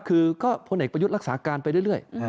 คือก็พลเอกประยุทธ์รักษาการไปเรื่อย